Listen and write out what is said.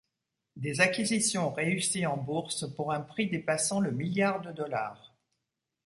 Des acquisitions réussies en bourse pour un prix dépassant le milliard de dollars.